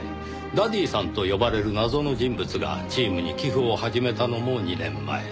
ダディさんと呼ばれる謎の人物がチームに寄付を始めたのも２年前。